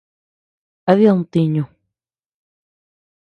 ¿A did ntiñu?